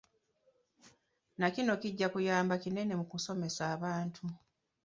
Nakino kijja kuyamba kinene mu kusomesa abantu.